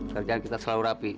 kerjaan kita selalu rapi